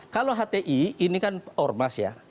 kalau hti ini kan ormas ya